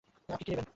আপনি কী নেবেন?